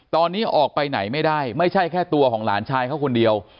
ตอนนี้ออกไปไหนไม่ได้ไม่ใช่แค่ตัวของหลานชายเขาคนเดียว